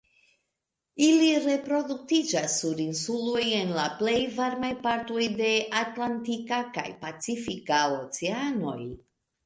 Ili reproduktiĝas sur insuloj en la plej varmaj partoj de Atlantika kaj Pacifika Oceanoj.